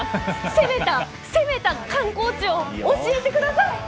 攻めた攻めた観光地を教えて下さい！